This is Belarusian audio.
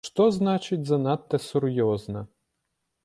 Што значыць, занадта сур'ёзна?